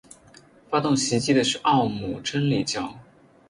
发动袭击的是奥姆真理教。